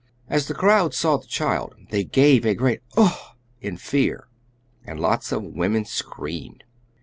As the crowd saw the child they gave a great 'Uff' in fear, and lots of women screamed.